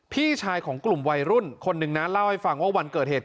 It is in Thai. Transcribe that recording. พี่ชายของกลุ่มวัยรุ่นคนหนึ่งนะเล่าให้ฟังว่าวันเกิดเหตุ